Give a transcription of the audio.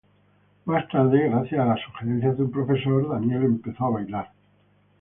Más tarde, gracias a la sugerencia de un profesor, Daniel empezó a bailar.